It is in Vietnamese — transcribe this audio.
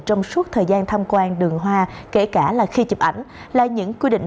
trong suốt thời gian tham quan đường hoa kể cả là khi chụp ảnh là những quy định